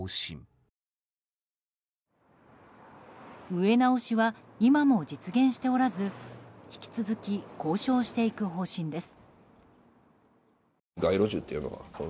植え直しは今も実現しておらず引き続き交渉していく方針です。